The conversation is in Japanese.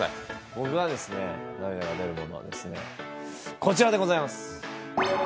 僕の涙が出るものはこちらでございます。